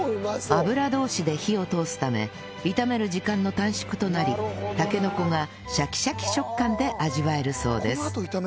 油通しで火を通すため炒める時間の短縮となりたけのこがシャキシャキ食感で味わえるそうです